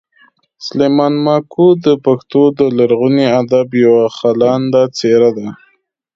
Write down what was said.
سلیمان ماکو د پښتو د لرغوني ادب یوه خلانده څېره ده